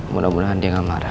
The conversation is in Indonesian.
mudah mudahan dia gak marah